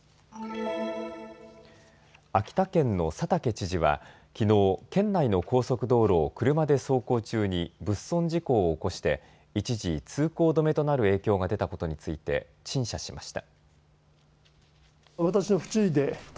秋田県の佐竹知事はきのう県内の高速道路を車で走行中に物損事故を起こして一時通行止めとなる影響が出たことについて陳謝しました。